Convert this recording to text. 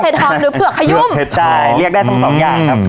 เผือกเผ็ดหอมหรือเผือกขยุมใช่เรียกได้ทั้งสองอย่างครับอืม